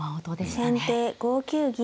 先手５九銀。